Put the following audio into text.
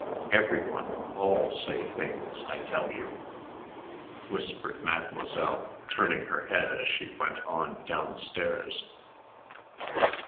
"Everyone, all say things, I tell you," whispered Mademoiselle turning her head as she went on downstairs.